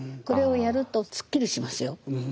これをやるとすっきりしますよ。